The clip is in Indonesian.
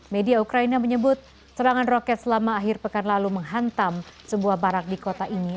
media ukraina menyebut serangan roket selama akhir pekan lalu menghantam sebuah barak di kota ini